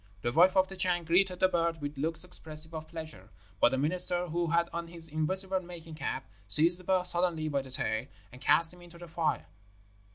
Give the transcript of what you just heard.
The wife of the Chan greeted the bird with looks expressive of pleasure, but the minister, who had on his invisible making cap, seized the bird suddenly by the tail, and cast him into the fire.